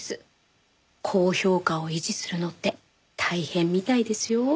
高評価を維持するのって大変みたいですよ。